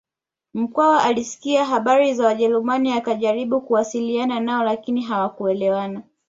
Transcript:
Mkwawa alisikia habari za wajerumani akajaribu kuwasiliana nao lakini hawakuelewana